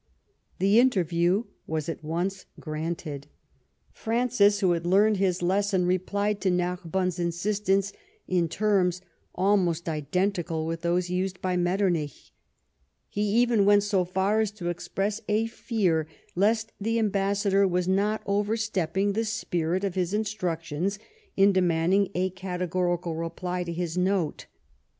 The interview was at once granted. Francis, L UTZEN AND BA UTZEN. 9 9 who had learned his lesson, replied to Narbonne's in sistance in terms almost identical \\'\i\\ those used by Metternich. lie even went so far as to express a tear lest the ambassador was not overstepping the spirit of" his instructions in demanding a categorical reply to his note.